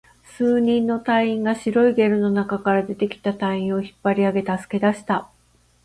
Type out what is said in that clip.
数人の隊員が白いゲルの中から出てきた隊員を引っ張り上げ、助け出した